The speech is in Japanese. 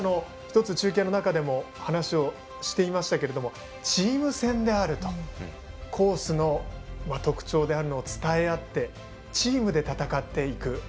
１つ、中継の中でも話をしていましたがチーム戦であると。コースの特徴を伝え合って、チームで戦っていく。